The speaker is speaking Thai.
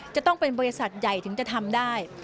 จะต้องเป็นบริษัทใหญ่ถึงจะทำได้